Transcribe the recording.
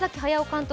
監督